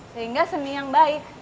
sehingga seni yang baik